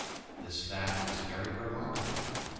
This fact is very remarkable.